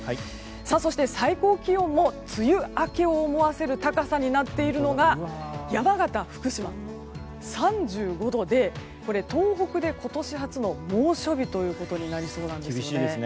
そして、最高気温も梅雨明けを思わせる高さになっているのが山形、福島は３５度で東北で今年初の猛暑日ということになりそうなんですね。